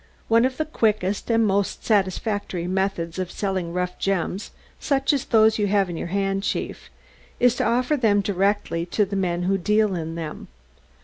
One of the quickest and most satisfactory methods of selling rough gems, such as those you have in your hand, Chief, is to offer them directly to the men who deal in them.